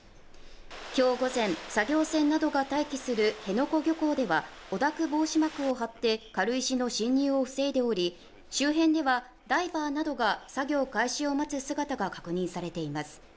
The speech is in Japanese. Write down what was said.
今日午前作業船などが待機する辺野古漁港では汚濁防止膜を張って軽石の侵入を防いでおり周辺にはダイバーなどが作業開始を待つ姿が確認されています